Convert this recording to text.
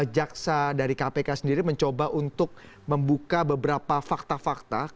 jaksa dari kpk sendiri mencoba untuk membuka beberapa fakta fakta